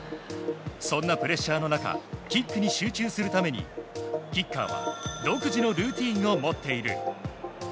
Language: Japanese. そんなプレッシャーの中キックに集中するためにキッカーは独自のルーティンを持っている。